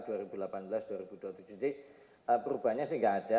jadi perubahannya sih enggak ada